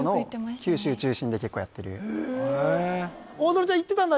はい大園ちゃん行ってたんだ？